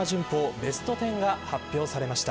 ベスト・テンが発表されました。